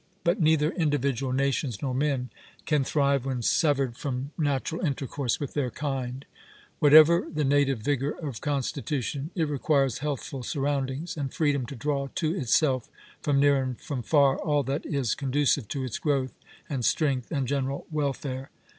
But neither individual nations nor men can thrive when severed from natural intercourse with their kind; whatever the native vigor of constitution, it requires healthful surroundings, and freedom to draw to itself from near and from far all that is conducive to its growth and strength and general welfare.